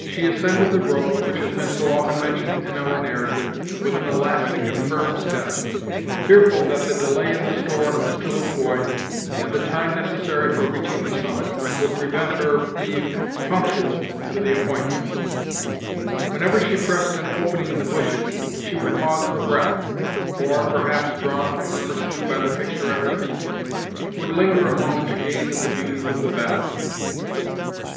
She ascended the road which has been so often mentioned in our narrative, with an elastic and firm step, fearful that the delay in the store of Mr. Le Quoi, and the time necessary for reaching the summit, would prevent her being punctual to the appointment Whenever she pressed an opening in the bushes, she would pause for breath, or, perhaps, drawn from her pursuit by the picture at her feet, would linger a moment to gaze at the beauties of the valley.